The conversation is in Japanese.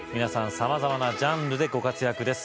さまざまなジャンルでご活躍です